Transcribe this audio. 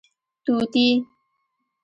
🦜 طوطي